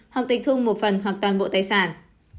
hoặc tích thung một phần hoặc toàn bộ tài sản